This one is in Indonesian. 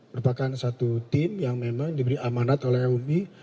merupakan satu tim yang memang diberi amanat oleh umi